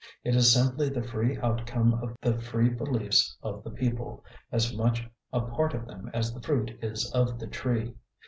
It is simply the free outcome of the free beliefs of the people, as much a part of them as the fruit is of the tree.